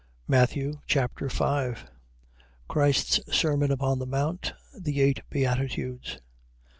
Matthew Chapter 5 Christ's sermon upon the mount. The eight beatitudes.